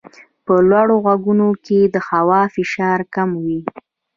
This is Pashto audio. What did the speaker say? په لوړو غرونو کې د هوا فشار کم وي.